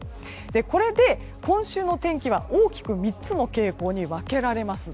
これで今週の天気は大きく３つの傾向に分けられます。